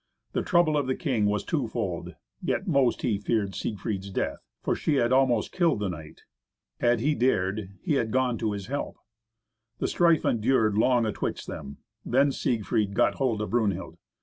The trouble of the king was twofold, yet most he feared Siegfried's death. For she had almost killed the knight. Had he dared, he had gone to his help. The strife endured long atwixt them. Then Siegfried got hold of Brunhild.